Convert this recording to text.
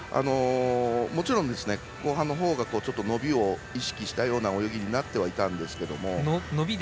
もちろん後半のほうがちょっと伸びを意識したような泳ぎになってはいたんですけども。